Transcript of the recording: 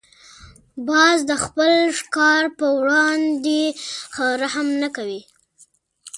باز د خپل ښکار پر وړاندې رحم نه کوي